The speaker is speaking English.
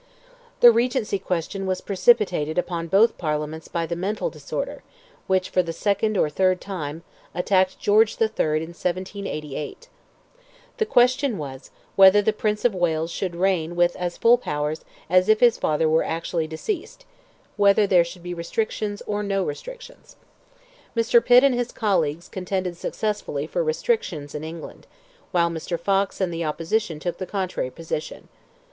The Regency question was precipitated upon both Parliaments by the mental disorder, which, for the second or third time, attacked George III., in 1788. The question was, whether the Prince of Wales should reign with as full powers as if his father were actually deceased; whether there should be restrictions or no restrictions. Mr. Pitt and his colleagues contended successfully for restrictions in England, while Mr. Fox and the opposition took the contrary position.